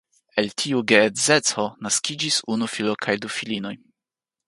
El tiu geedzeco naskiĝis unu filo kaj du filinoj.